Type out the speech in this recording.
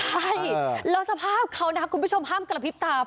ใช่แล้วสภาพเขานะครับคุณผู้ชมห้ามกระพริบตา